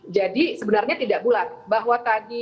jadi sebenarnya tidak bulat bahwa tadi